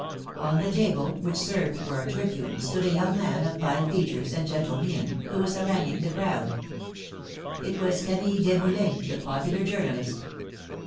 On the table, which served for a tribune, stood a young man, of fine features and gentle mien, who was haranguing the crowd. It was Camille Desmoulins, the popular journalist.